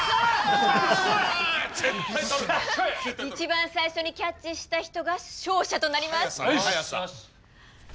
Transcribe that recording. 一番最初にキャッチした人が勝者となります！